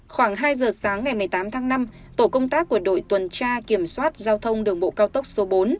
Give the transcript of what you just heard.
khoảng hai giờ sáng ngày một mươi tám tháng năm tổ công tác của đội tuần tra kiểm soát giao thông đường bộ cao tốc số bốn